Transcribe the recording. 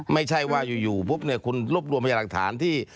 ไม่ใช่ว่าอยู่คุณรบรวมไปหลักฐานที่